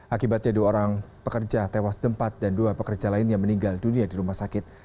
akibatnya dua orang pekerja tewas tempat dan dua pekerja lainnya meninggal dunia di rumah sakit